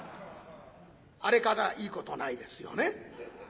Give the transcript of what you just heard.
あれからいいことないですよね。